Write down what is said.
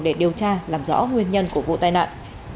để điều tra làm rõ nguyên nhân của vụ tai nạn